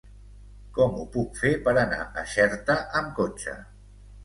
Com ho puc fer per anar a Xerta amb cotxe?